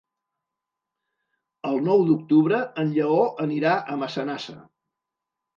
El nou d'octubre en Lleó anirà a Massanassa.